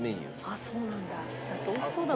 あっそうなんだ。